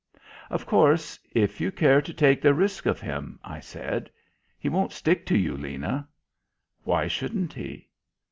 "Of course, if you care to take the risk of him " I said. "He won't stick to you, Lena." "Why shouldn't he?"